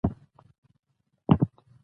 هغه میرمن چې موږ ته راغله ډیره مهربانه وه